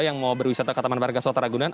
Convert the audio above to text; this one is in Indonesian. yang mau berwisata ke taman marga selatan ragunan